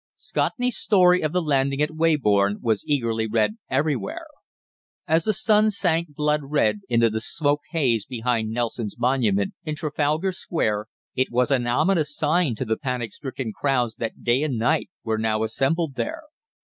Scotney's story of the landing at Weybourne was eagerly read everywhere. As the sun sank blood red into the smoke haze behind Nelson's Monument in Trafalgar Square, it was an ominous sign to the panic stricken crowds that day and night were now assembled there.